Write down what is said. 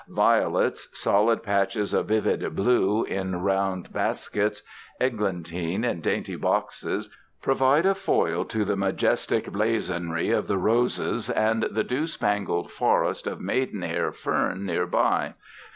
Violets, solid patches of vivid blue in round baskets, eglantine in dainty boxes, provide a foil to the majestic blazonry of the roses and the dew spangled forest of maiden hair fern near by.